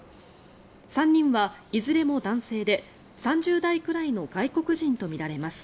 ３人はいずれも男性で３０代くらいの外国人とみられます。